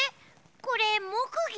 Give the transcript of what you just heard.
これもくぎょ？